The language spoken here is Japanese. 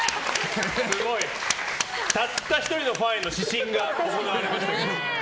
たった１人のファンへの私信が行われましたけど。